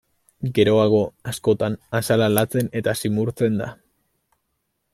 Geroago, askotan, azala latzen eta zimurtzen da.